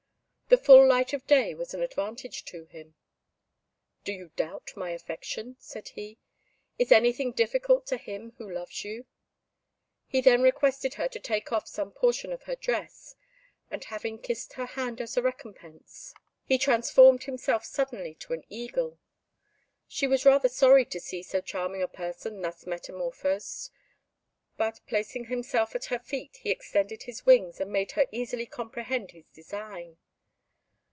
The full light of day was an advantage to him. "Do you doubt my affection?" said he. "Is anything difficult to him who loves you?" He then requested her to take off some portion of her dress, and having kissed her hand as a recompense, he transformed himself suddenly to an eagle. She was rather sorry to see so charming a person thus metamorphosed, but, placing himself at her feet, he extended his wings, and made her easily comprehend his design.